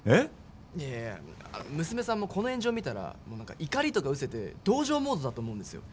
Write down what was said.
いやいや娘さんもこの炎上見たら、もう何か怒りとか失せて同情モードだと思うんですよ。